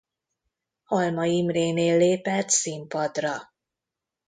Halmay Imrénél lépett színpadra.